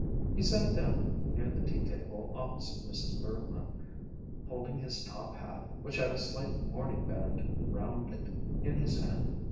He sat down near the tea table opposite Mrs. Bergmann, holding his top hat, which had a slight mourning band round it, in his hand.